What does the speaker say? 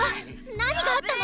何があったの？